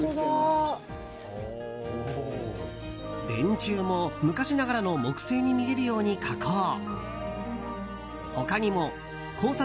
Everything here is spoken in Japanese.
電柱も昔ながらの木製に見えるように加工。